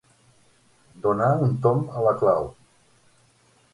Donar un tomb a la clau.